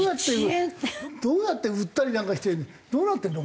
どうやって売ったりなんかしてどうなってるの？